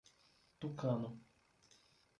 Tucano